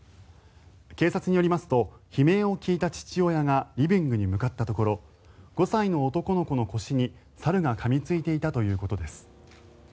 警察によりますと悲鳴を聞いた父親がリビングに向かったところ５歳の男の子の腰に猿がかみついていたということです。